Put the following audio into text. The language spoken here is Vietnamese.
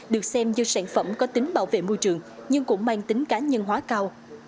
được xem như sản phẩm có tính bảo vệ môi trường nhưng cũng mang tính cá nhân hóa cao